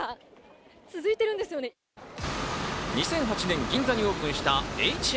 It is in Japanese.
２００８年、銀座にオープンしたＨ＆Ｍ。